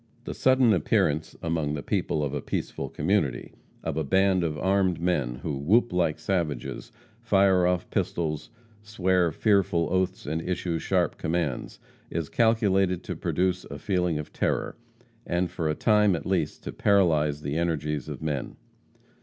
The sudden appearance among the people of a peaceful community of a band of armed men, who whoop like savages, fire off pistols, swear fearful oaths, and issue sharp commands, is calculated to produce a feeling of terror, and, for a time at least, to paralyze the energies of men.